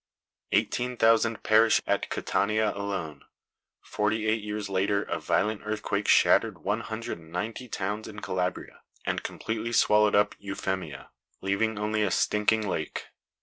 Eighteen thousand perished at Catania alone. Forty eight years later a violent earthquake shattered one hundred and ninety towns in Calabria and completely swallowed up Eufemia, leaving only a stinking lake.